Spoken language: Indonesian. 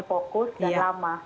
terlalu fokus dan lama